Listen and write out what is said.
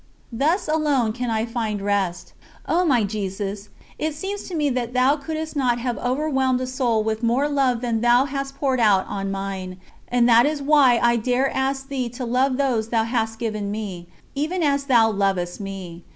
Thus alone can I find rest. O my Jesus, it seems to me that Thou couldst not have overwhelmed a soul with more love than Thou hast poured out on mine, and that is why I dare ask Thee to love those Thou hast given me, even as Thou lovest me.